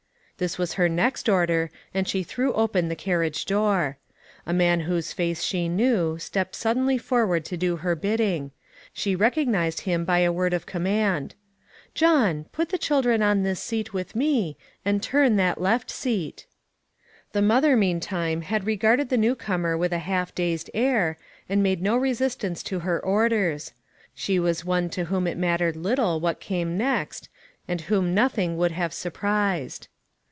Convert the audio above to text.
This was her next order, and she threw open the carriage door. A man whose face she knew, stepped suddenly forward to do her bidding. She recognized him by a word of command :" John, put THE PROOF OF THE DIVINE HAND. 277 the children on this seat with me, and turn that left seat." The mother, meantime, had regarded the new comer with a half dazed air, and made no resistance to her orders. She was as one to whom it mattered little what came next, and whom nothing would have surprised.